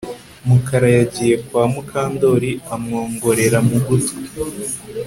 Mukara yagiye kwa Mukandoli amwongorera mu gutwi